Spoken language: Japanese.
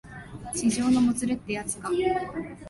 痴情のもつれってやつか